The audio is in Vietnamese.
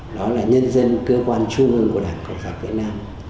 đó là nhân dân cơ quan trung ương của đảng cộng sản việt nam